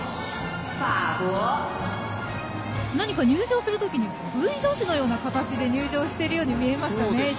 入場するときに Ｖ の字のような形で入場しているように見えましたね。